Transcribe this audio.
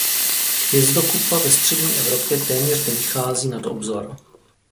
Hvězdokupa ve střední Evropě téměř nevychází nad obzor.